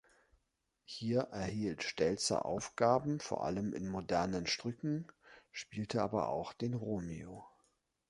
Hier erhielt Stelzer Aufgaben vor allem in modernen Stücken, spielte aber auch den 'Romeo'.